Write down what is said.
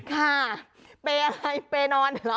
ค่ะเปย์อะไรเปย์นอนเหรอ